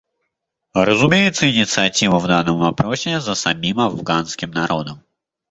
Разумеется, инициатива в данном вопросе за самим афганским народом.